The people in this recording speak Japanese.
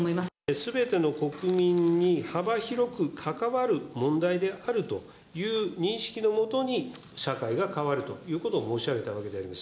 すべての国民に幅広く関わる問題であるという認識のもとに、社会が変わるということを申し上げたわけであります。